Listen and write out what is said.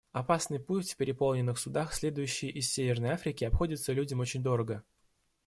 Опасный путь в переполненных судах, следующих из Северной Африки, обходится людям очень дорого.